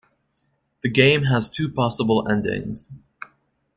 The game has two possible endings.